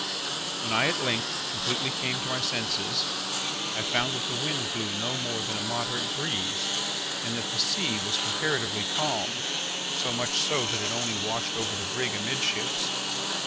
When I at length completely came to my senses, I found that the wind blew no more than a moderate breeze, and that the sea was comparatively calm; so much so that it only washed over the brig amidships.